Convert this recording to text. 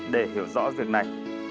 để hiểu rõ việc này